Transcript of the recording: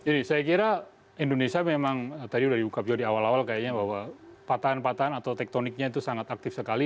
jadi saya kira indonesia memang tadi sudah di buka video di awal awal kayaknya bahwa patahan patahan atau tektoniknya itu sangat aktif sekali